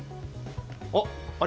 あっあれ？